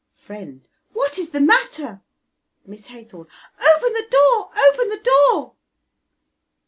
Friend. What is the matter? Miss Haythorn. Open the door! Open the door!